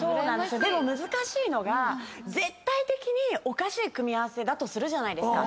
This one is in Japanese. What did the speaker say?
でも難しいのが絶対的におかしい組み合わせだとするじゃないですか。